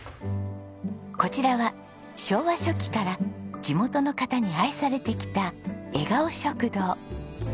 こちらは昭和初期から地元の方に愛されてきたゑがほ食堂。